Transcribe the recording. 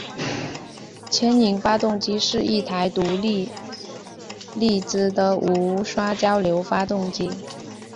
牵引发电机是一台独立励磁的无刷交流发电机。